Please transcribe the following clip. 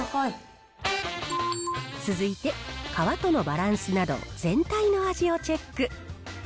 続いて、皮とのバランスなど全体の味をチェック。